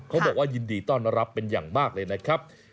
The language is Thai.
เขาบอกว่ายินดีต้อนรับเป็นอย่างมากเลยนะครับ